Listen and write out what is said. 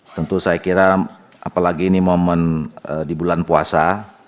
tentu saya kira apalagi ini momen di bulan puasa